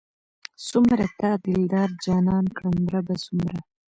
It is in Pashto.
څومره تا دلدار جانان کړم رب څومره